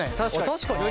確かに。